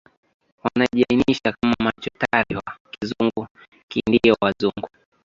wanajiainisha kama machotara wa KizunguKiindio Wazungu